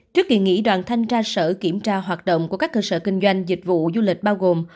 trước kỳ nghỉ đoàn thanh tra sở kiểm tra hoạt động của các cơ sở kinh doanh dịch vụ du lịch bao gồm